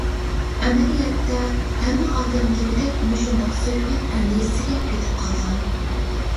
ئەمەلىيەتتە، ھەممە ئادەم دېگۈدەك مۇشۇنداق سۆھبەت ئەندىزىسىگە پېتىپ قالغان.